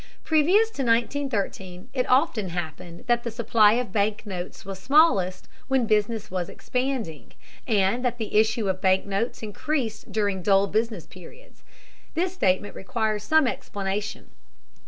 Previous to 1913 it often happened that the supply of bank notes was smallest when business was expanding, and that the issue of bank notes increased during dull business periods. This statement requires some explanation.